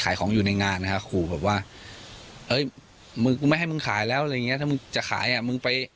ขายของอยู่ในงานนะครับออกว่าเฮ้ยมึก็ไม่ให้มึงขายแล้วเรื่องนี้ถ้ามึงจะขออยากมึง